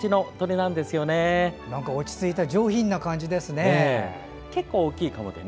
なんか落ち着いた上品な感じですね。